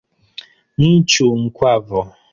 Nchu nkwavo.